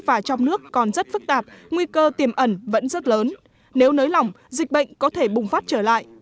và trong nước còn rất phức tạp nguy cơ tiềm ẩn vẫn rất lớn nếu nới lỏng dịch bệnh có thể bùng phát trở lại